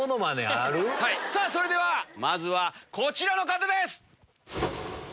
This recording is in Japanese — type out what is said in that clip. さぁそれではまずはこちらの方です！